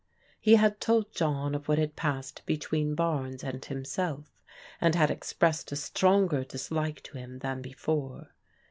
He had told John of what had passed between Barnes and himself, and had expressed a stronger dislike to him than before.